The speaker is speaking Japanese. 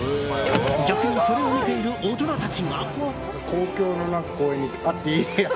逆にそれを見ている大人たちが。